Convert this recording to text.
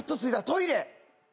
トイレ。